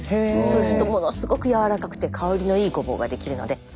そうするとものすごく柔らかくて香りのいいごぼうができるので。